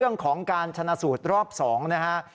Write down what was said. เรื่องของการชนะสูตรรอบ๒นะฮะ